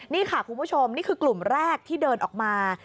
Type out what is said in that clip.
นี่ค่ะคุณผู้ชมนี่คือกลุ่มแรกที่เดินออกมา